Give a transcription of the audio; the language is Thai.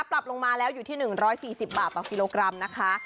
ปรับลงมาแล้วอยู่ที่๑๔๐บาทต่อกิโลกรัมนะคะ